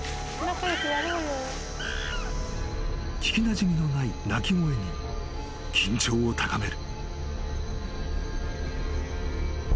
・［聞きなじみのない鳴き声に緊張を高める］